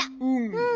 うん。